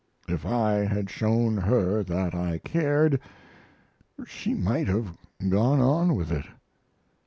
If I had shown her that I cared, she might have gone on with it.